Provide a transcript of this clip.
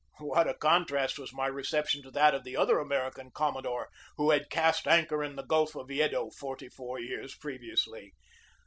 What a contrast was my reception to that of the other American commodore who had cast anchor in the Gulf of Yeddo forty four years previously!